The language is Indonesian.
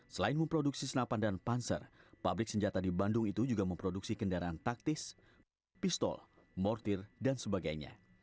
selain memproduksi senapan dan panser pabrik senjata di bandung itu juga memproduksi kendaraan taktis pistol mortir dan sebagainya